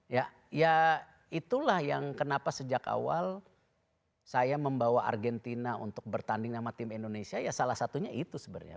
ya ya itulah yang kenapa sejak awal saya membawa argentina untuk bertanding nama tim indonesia ya salah satunya itu sebenarnya